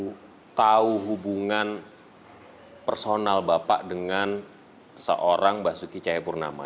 itu tahu hubungan personal bapak dengan seorang basuki cahayapurnama